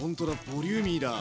ボリューミーだ。